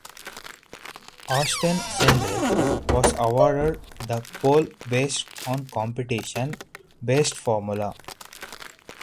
Austin Cindric was awarded the pole based on competition based formula.